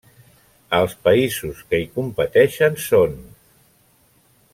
Els països que hi competeixen són: